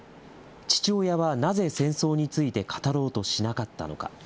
父親はなぜ戦争について語ろうとしなかったのか。